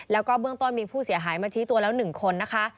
แล้วก็เบื้องต้นมีผู้เสียหายมาชี้ตัวแล้ว๑คนนะคะ